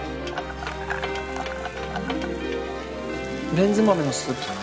レンズ豆のスープって